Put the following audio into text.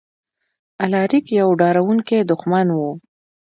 الاریک یو ډاروونکی دښمن و.